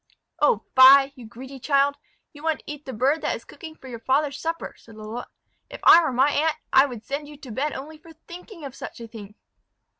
"Oh, fie! you greedy child; you want to eat the bird that is cooking for your father's supper," said Lalotte. "If I were my aunt, I would send you to bed only for thinking of such a thing."